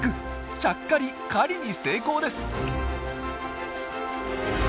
ちゃっかり狩りに成功です！